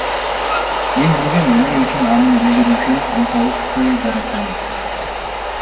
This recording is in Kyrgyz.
Мен билбейм эмне үчүн анын билдирүүсү мынчалык чуу жаратканын.